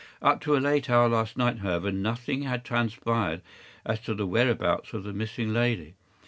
Up to a late hour last night, however, nothing had transpired as to the whereabouts of the missing lady.